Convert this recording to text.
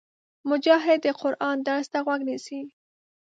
مجاهد د قرآن درس ته غوږ نیسي.